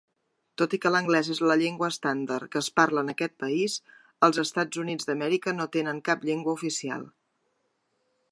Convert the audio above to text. Tot i que l'anglès és la llengua estàndard que es parla en aquest país, Els Estats Units d'Amèrica no tenen cap llengua oficial.